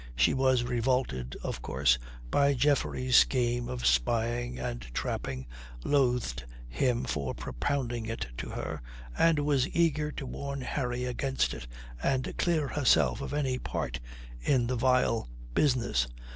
She was revolted, of course, by Geoffrey's scheme of spying and trapping, loathed him for propounding it to her, and was eager to warn Harry against it and clear herself of any part in the vile business.